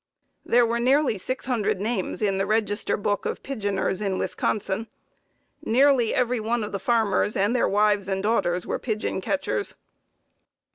There were nearly six hundred names in the register book of pigeoners in Wisconsin. Nearly every one of the farmers, and their wives and daughters, were pigeon catchers.